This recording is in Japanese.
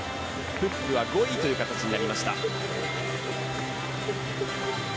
プップは５位という形になりました。